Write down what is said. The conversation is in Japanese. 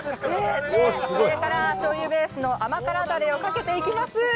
上からしょうゆベースの甘辛だれをかけていきます。